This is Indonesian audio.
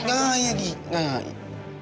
nggak nggak nggak nggak nggak nggak